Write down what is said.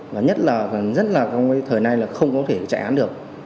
và nhất là thời này là không có thể chạy án được